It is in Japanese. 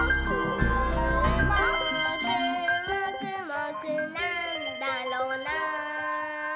「もーくもくもくなんだろなぁ」